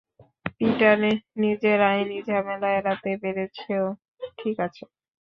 Peter, নিজের আইনি ঝামেলা এড়াতে পেরেছ, ঠিক আছে।